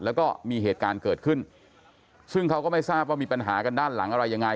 แล้วก็มีเหตุการณ์เกิดขึ้นซึ่งเขาก็ไม่ทราบว่ามีปัญหากันด้านหลังอะไรยังไง